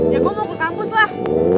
ya gue mau ke kampus lah